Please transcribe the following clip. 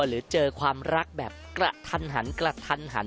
หรือเจอความรักแบบกระทันหันกระทันหัน